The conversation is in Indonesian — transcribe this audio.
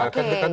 oke tentu juga